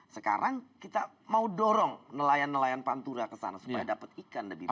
sekarang kita mau dorong nelayan nelayan pantura kesana supaya dapat ikan lebih banyak